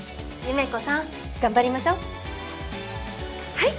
優芽子さん頑張りましょうはい